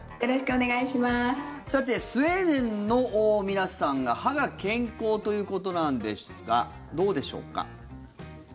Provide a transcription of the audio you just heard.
スウェーデンの皆さんが歯が健康ということなんですがどうでしょうか。